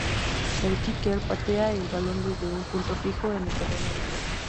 El kicker patea el balón desde un punto fijo en el terreno de juego.